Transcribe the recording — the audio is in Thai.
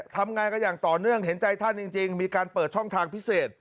ทำงานกันอย่างต่อเนื่องเห็นใจท่านจริงมีการเปิดช่องทางพิเศษ